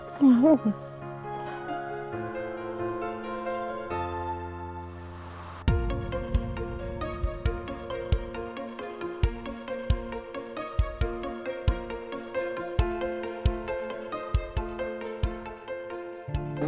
selalu mas selalu